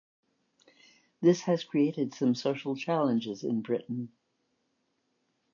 This has created some social challenges in Britain.